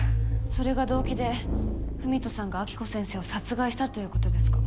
それが動機で郁人さんが暁子先生を殺害したということですか？